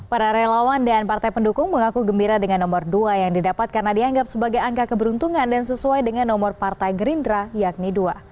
para relawan dan partai pendukung mengaku gembira dengan nomor dua yang didapat karena dianggap sebagai angka keberuntungan dan sesuai dengan nomor partai gerindra yakni dua